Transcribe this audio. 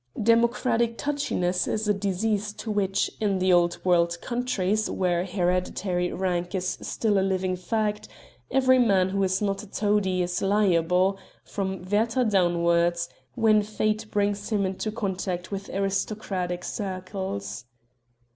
Democratic touchiness is a disease to which, in the old world countries where hereditary rank is still a living fact, every man who is not a toady is liable from Werther downwards when fate brings him into contact with aristocratic circles.